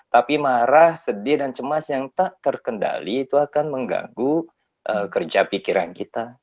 tapi marah sedih dan cemas yang tak terkendali itu akan mengganggu kerja pikiran kita